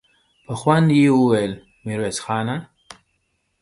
په خوند يې وويل: ميرويس خانه!